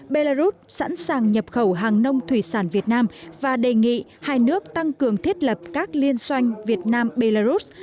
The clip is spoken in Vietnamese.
belarus sẵn sàng nhập khẩu hàng nông thủy sản việt nam và đề nghị hai nước tăng cường thiết lập các liên xoanh việt nam belarus